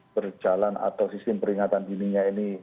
berjalan atau sistem peringatan dininya ini